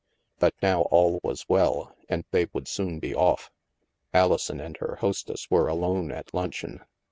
But now all was well, and they would soon be off. Alison and her hostess were alone at luncheon.